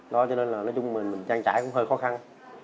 đó cho nên là nói chung mình trang trải cũng hơi khó khăn